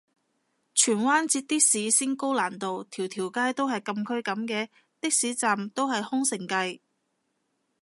荃灣截的士先高難度，條條街都係禁區噉嘅？的士站都係空城計